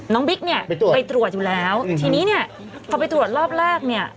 บิ๊กเนี่ยไปตรวจอยู่แล้วทีนี้เนี่ยพอไปตรวจรอบแรกเนี่ย